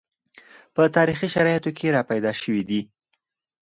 په تاریخي شرایطو کې راپیدا شوي دي